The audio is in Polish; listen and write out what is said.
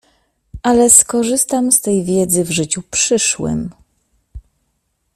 Ale skorzystam z tej wiedzy w życiu przyszłym.